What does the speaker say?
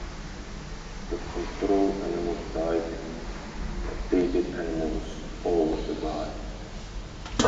The control animals died and the treated animals all survived.